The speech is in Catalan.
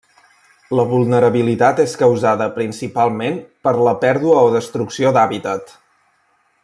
La vulnerabilitat és causada principalment per la pèrdua o destrucció d'hàbitat.